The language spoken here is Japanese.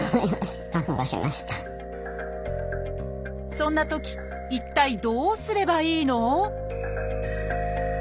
そんなとき一体どうすればいいの？